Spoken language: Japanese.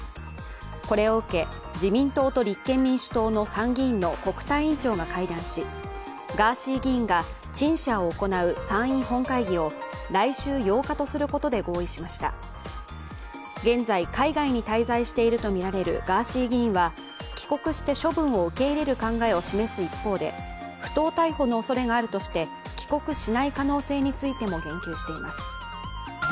これを受け、自民党の立憲民主党の参議院の国対委員長が会談し、ガーシー議員が陳謝を行う参院本会議を来週８日とすることで合意しました現在、海外に滞在しているとみられるガーシー議員は帰国して処分を受け入れる考えを示す一方で不当逮捕のおそれがあるとして帰国しない可能性についても言及しています。